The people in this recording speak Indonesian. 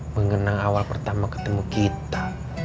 mengenang awal pertama ketemu kita